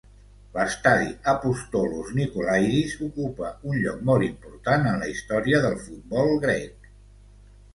L'estadi Apostolos Nikolaidis ocupa un lloc molt important en la història del futbol grec.